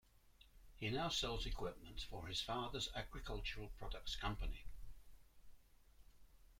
He now sells equipment for his father's agricultural products company.